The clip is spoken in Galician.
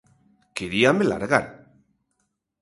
Queríame largar.